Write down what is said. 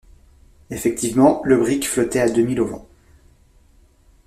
Effectivement, le brick flottait à deux milles au vent.